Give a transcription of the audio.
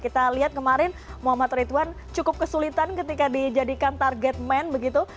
kita lihat kemarin muhammad ridwan cukup kesulitan ketika dijadikan target men begitu